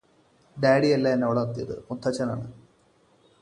ഡാഡിയല്ല എന്നെ വളര്ത്തിയത് മുത്തച്ഛനാണ്